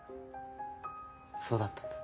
そうだったんだ。